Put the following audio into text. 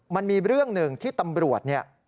มันมีเรื่องหนึ่งที่ตำรวจเนี่ย